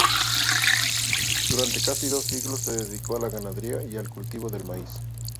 Durante casi dos siglos se dedicó a la ganadería y al cultivo del maíz.